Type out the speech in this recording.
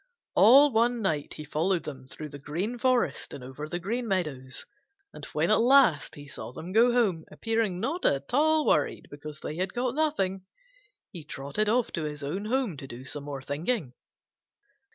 All one night he followed them through the Green Forest and over the Green Meadows, and when at last he saw them go home, appearing not at all worried because they had caught nothing, he trotted off to his own home to do some more thinking.